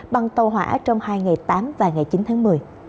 bằng tàu hỏa trong hai ngày tám và ngày chín tháng một mươi